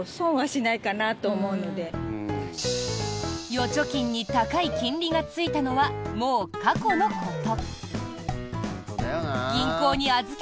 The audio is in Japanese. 預貯金に高い金利がついたのはもう過去のこと。